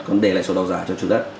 còn để lại sổ đỏ giả cho chủ đất